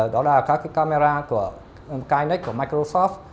đó là các camera của kinect của microsoft